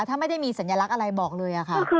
ถ้าไม่ได้มีสัญลักษณ์อะไรบอกเลยค่ะ